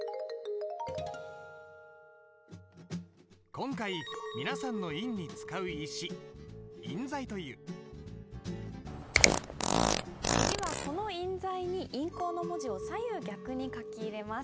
今回皆さんの印に使う石次はこの印材に印稿の文字を左右逆に書き入れます。